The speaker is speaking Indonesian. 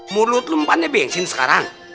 mulut lu empatnya bensin sekarang